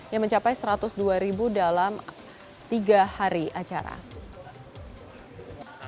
yang mencapai satu ratus dua ribu dalam tiga hari acara